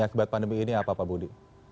akibat pandemi ini apa pak budi